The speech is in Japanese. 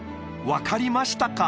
分かりましたか？